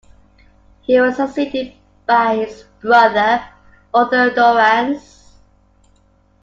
He was succeeded by his brother, Arthur Dorrance.